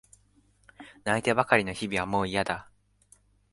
泣いてばかりの日々はもういやだ。